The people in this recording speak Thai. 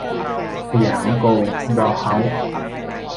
สยามโกลบอลเฮ้าส์